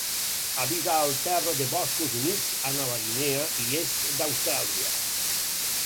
Habita al terra de boscos humits a Nova Guinea i est d'Austràlia.